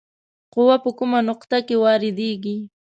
قوه په کومه نقطه کې واردیږي؟